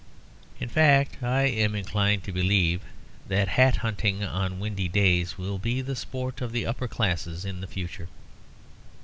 In fact, I am inclined to believe that hat hunting on windy days will be the sport of the upper classes in the future.